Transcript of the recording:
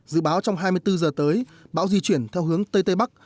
dự báo trong hai mươi bốn giờ tới bão di chuyển theo hướng tây tây bắc